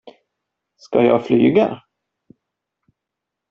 Ska jag flyga?